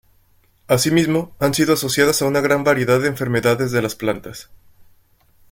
Asimismo, han sido asociadas a una gran variedad de enfermedades de las plantas.